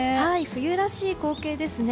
冬らしい光景ですね。